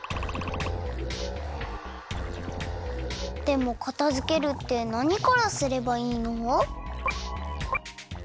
でもかたづけるってなにからすればいいの？